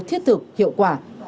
thiết thực hiệu quả